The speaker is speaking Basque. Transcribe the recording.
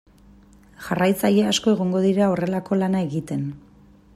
Jarraitzaile asko egongo dira horrelako lana egiten.